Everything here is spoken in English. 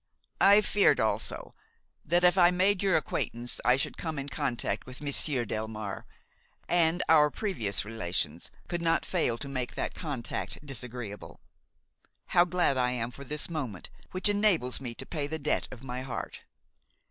I feared, also, that if I made your acquaintance I should come in contact with Monsieur Delmare, and our previous relations could not fail to make that contact disagreeable. How glad I am for this moment, which enables me to pay the debt of my heart!"